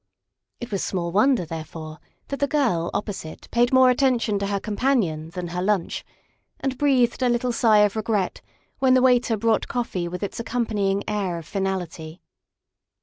It was small wonder, there fore, that the girl opposite paid more attention to her companion than her lunch, and breathed a little sigh of regret when the waiter brought coffee with its accom panying air of finality.